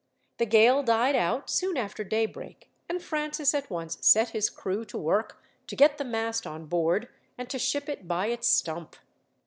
The gale died out soon after daybreak, and Francis at once set his crew to work to get the mast on board, and to ship it by its stump.